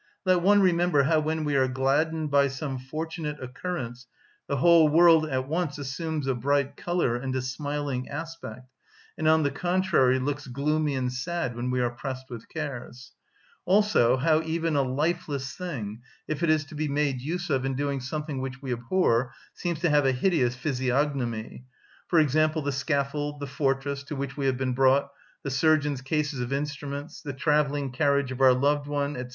Let one remember how when we are gladdened by some fortunate occurrence the whole world at once assumes a bright colour and a smiling aspect, and, on the contrary, looks gloomy and sad when we are pressed with cares; also, how even a lifeless thing, if it is to be made use of in doing something which we abhor, seems to have a hideous physiognomy; for example, the scaffold, the fortress, to which we have been brought, the surgeon's cases of instruments; the travelling carriage of our loved one, &c.